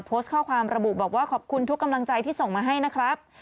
โพสต์ข้อความระบุบอกว่าขอบคุณทุกกำลังใจที่ส่งมาให้นะครับ